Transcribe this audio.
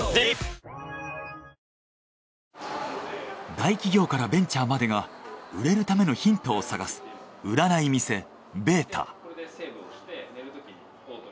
大企業からベンチャーまでが売れるためのヒントを探す売らない店ベータ。